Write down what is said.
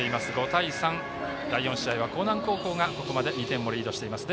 ５対３、第４試合は興南高校がここまで２点をリードです。